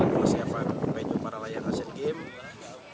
persiapan venue para layang asian games